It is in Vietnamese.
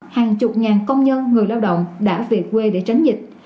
hàng chục ngàn công nhân người lao động đã về quê để tránh dịch